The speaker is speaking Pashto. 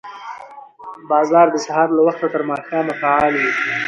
بازار د سهار له وخته تر ماښامه فعال وي